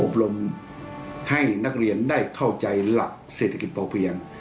รมให้นักเรียนได้เข้าใจหลักเศรษฐกิจพอเพียง